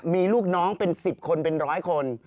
มีลูกน้องเป็น๑๐คนเป็นร้อยคน